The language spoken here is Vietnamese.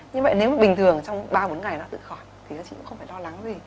như vậy nếu bình thường trong ba bốn ngày nó tự khỏi thì các chị cũng không phải lo lắng gì